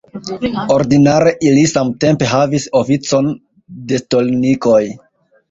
Ordinare ili samtempe havis oficon de stolnikoj.